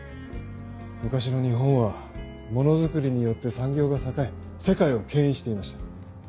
昔の日本はものづくりによって産業が栄え世界をけん引していました。